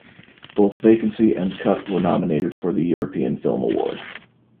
Both Vacancy and Cut were nominated for the European Film Award.